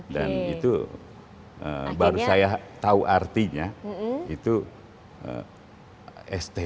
dan itu baru saya tahu artinya itu st